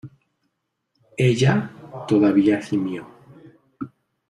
ella todavía gimió: